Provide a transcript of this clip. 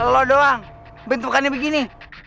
lo doang bentukannya begini